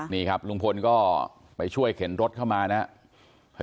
นี่ครับลุงพลก็ไปช่วยเข็นรถเข้ามานะครับ